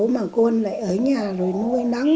mà con lại ở nhà rồi nuôi nắng